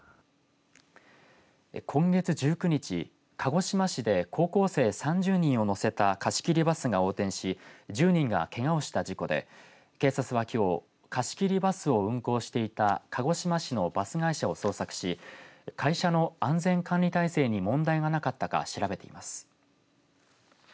今月１９日鹿児島市で高校生３０人を乗せた貸し切りバスが横転し１０人がけがをした事故で警察はきょう貸し切りバスを運行していた鹿児島市のバス会社を捜索し会社の安全管理体制に問題がなかったか調べています。